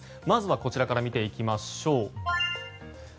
まずはこちらから見ていきます。